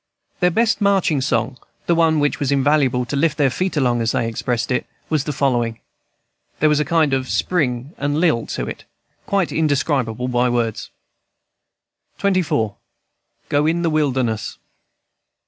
Their best marching song, and one which was invaluable to lift their feet along, as they expressed it, was the following. There was a kind of spring and lilt to it, quite indescribable by words. XXIV. GO IN THE WILDERNESS.